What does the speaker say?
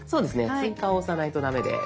「追加」を押さないと駄目です。